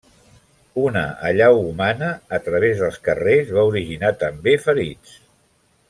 Una allau humana a través dels carrers va originar també ferits.